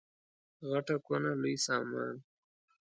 غټه کونه لوی سامان.